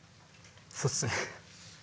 そっすね。